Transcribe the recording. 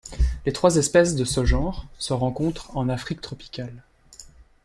Les trois espèces de ce genre se rencontrent en Afrique tropicale.